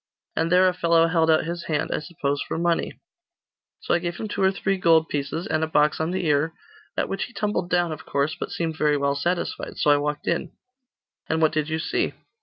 And there a fellow held out his hand I suppose for money, So I gave him two or three gold pieces, and a box on the ear, at which he tumbled down, of course, but seemed very well satisfied. So I walked in.' 'And what did you see?